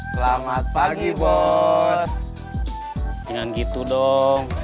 selamat pagi bos